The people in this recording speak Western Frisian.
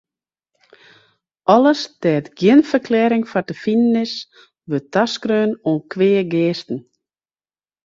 Alles dêr't gjin ferklearring foar te finen is, wurdt taskreaun oan kweageasten.